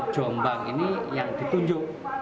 jombang ini yang ditunjuk